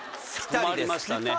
止まりましたね